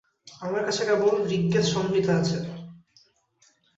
আমার কাছে কেবল ঋগ্বেদ-সংহিতা আছে।